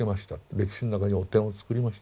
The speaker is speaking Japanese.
歴史の中に汚点を作りました。